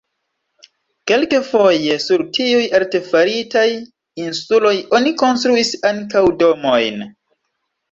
Kelkfoje sur tiuj artefaritaj insuloj oni konstruis ankaŭ domojn.